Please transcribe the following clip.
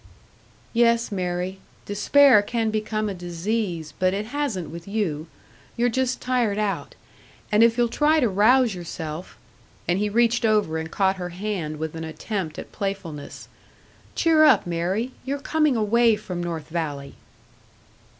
"Yes, Mary. Despair can become a disease, but it hasn't with you. You're just tired out. If you'll try to rouse yourself " And he reached over and caught her hand with an attempt at playfulness. "Cheer up, Mary! You're coming away from North Valley."